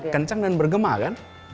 kenceng dan bergema kan